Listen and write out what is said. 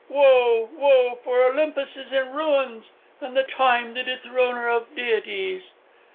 Woe! woe! for Olympus in ruins, and Time the dethroner of deities!"